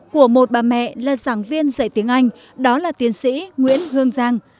của một bà mẹ là giảng viên dạy tiếng anh đó là tiến sĩ nguyễn hương giang